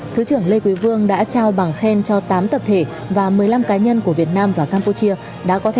thứ trưởng lê quý vương đã trao bằng khen cho tám tập thể và một mươi năm cá nhân của việt nam và campuchia